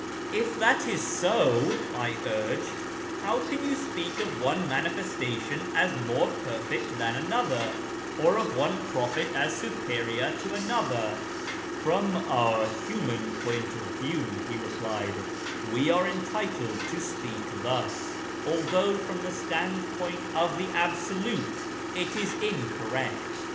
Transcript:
" If that is so," I urged, " how can you speak of one Manifestation as more perfect than another, or one prophet as superior to another ?"" From our human point of view," he replied, " we are en titled to speak thus, although from the standpoint of the Absolute it is incorrect.